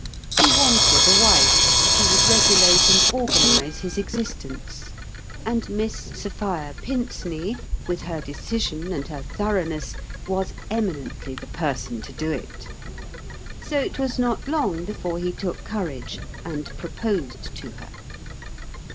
He wanted a wife who would regulate and organize his exist ence ; and Miss Sophia Pinceney, with her decision and her thoroughness, was eminently the person to do it. So it was not long be fore he took courage and proposed to her.